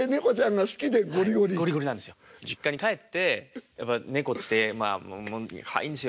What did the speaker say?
実家に帰ってやっぱ猫ってかわいいんですよ。